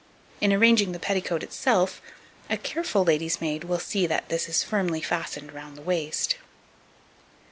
In arranging the petticoat itself, a careful lady's maid will see that this is firmly fastened round the waist.